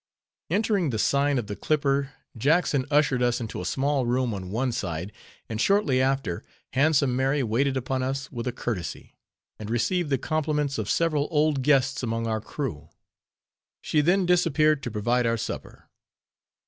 Entering the sign of the Clipper, Jackson ushered us into a small room on one side, and shortly after, Handsome Mary waited upon us with a courtesy, and received the compliments of several old guests among our crew. She then disappeared to provide our supper.